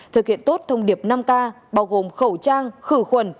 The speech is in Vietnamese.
thực hiện tốt thông điệp năm k bao gồm khẩu trang khử khuẩn